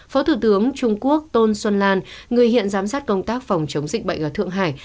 phó thủ tướng trung quốc tôn xuân lan người hiện giám sát công tác phòng chống dịch bệnh ở thượng hải